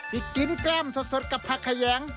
ไปกินกล้ามสดกับผักแขยง